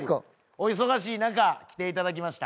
お忙しい中来ていただきました。